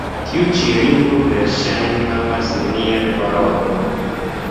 Tiu ĉi ringo verŝajne havas nenian valoron.